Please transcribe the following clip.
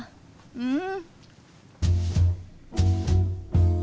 うん！